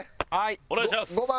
お願いします。